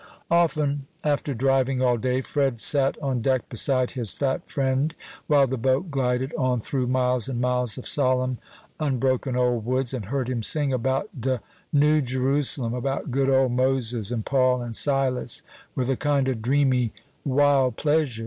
Often, after driving all day, Fred sat on deck beside his fat friend, while the boat glided on through miles and miles of solemn, unbroken old woods, and heard him sing about "de New Jerusalem," about "good old Moses, and Paul, and Silas," with a kind of dreamy, wild pleasure.